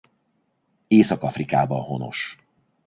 Észak-Afrikában honos.